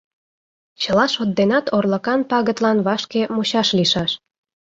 — Чыла шот денат орлыкан пагытлан вашке мучаш лийшаш!